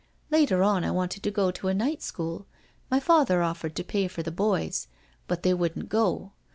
Later on I wanted to go to a night school— my father offered to pay for the boys, but they wouldn't go.